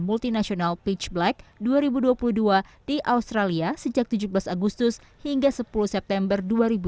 multinational pitch black dua ribu dua puluh dua di australia sejak tujuh belas agustus hingga sepuluh september dua ribu dua puluh